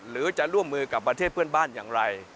หรือจะร่วมมือกับประเทศเพื่อนบ้านอย่างไร